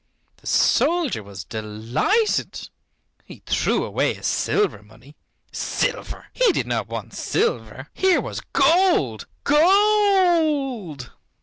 The soldier was delighted. He threw away his silver money. Silver! He did not want silver. Here was gold, gold!